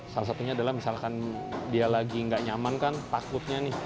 salah satunya adalah misalkan dia lagi nggak nyaman kan takutnya nih